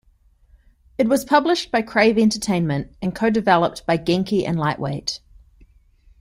It was published by Crave Entertainment, and co-developed by Genki and Lightweight.